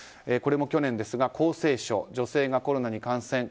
これも去年ですが江西省、女性がコロナに感染。